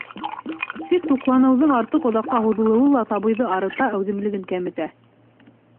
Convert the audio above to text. Тик туҡланыуҙың артыҡ оҙаҡҡа һуҙылыуы ла сабыйҙы арыта, әүҙемлеген кәметә.